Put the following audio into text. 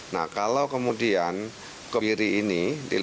nah kalau kemudian kebiri ini